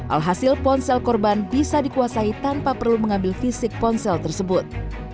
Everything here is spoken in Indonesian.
alhasil ponsel korban bisa dikuasai tanpa perlu mengambil fisik ponsel tersebut